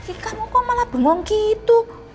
ih kamu kok malah bengong gitu